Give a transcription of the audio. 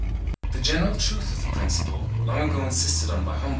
The general truth of the principle, long ago insisted on by Humboldt (69.